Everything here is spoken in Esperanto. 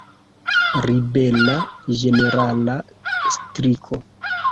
Ribela ĝenerala striko.